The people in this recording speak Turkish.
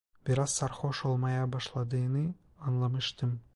Biraz sarhoş olmaya başladığını anlamıştım.